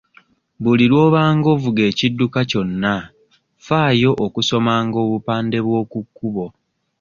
Buli lw'obanga ovuga ekidduka kyonna ffaayo okusomanga obupande bw'okukkubo.